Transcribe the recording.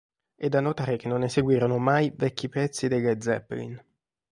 È da notare che non eseguirono mai vecchi pezzi dei Led Zeppelin.